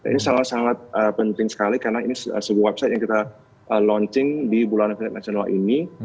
ini sangat sangat penting sekali karena ini sebuah website yang kita launching di bulan nasional ini